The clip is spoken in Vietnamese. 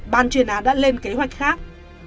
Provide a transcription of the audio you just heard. ban truyền án đã lên kế hoạch khác